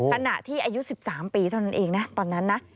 ขณะที่อายุ๑๓ปีเท่านั้นเองนะตอนนั้นนะ